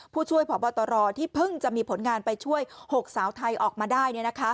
ผู้ช่วยพบตรที่เพิ่งจะมีผลงานไปช่วย๖สาวไทยออกมาได้